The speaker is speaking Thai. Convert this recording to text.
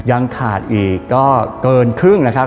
ยังขาดอีกก็เกินครึ่งนะครับ